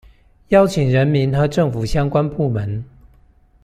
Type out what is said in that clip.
邀請人民和政府相關部門